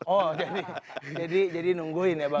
oh jadi nungguin ya bang